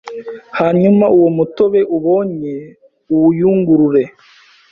Hanyuma uwo mutobe ubonye uwuyungurure